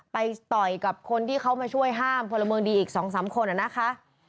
ไปต่อยกับคนที่เขามาช่วยห้ามพลเมืองดีอีก๒๓คนนะคะ